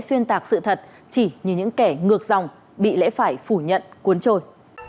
vì những kẻ ngược dòng bị lẽ phải phủ nhận cuốn trôi